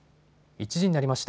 １時になりました。